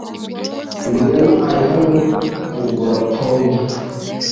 Rwema ari hano kugura pome.